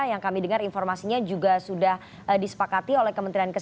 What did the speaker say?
yang kami dengar informasinya juga sudah disepakati oleh kementerian kesehatan